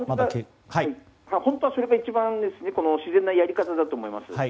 本当はそれが一番自然なやり方だと思います。